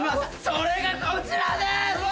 それがこちらです！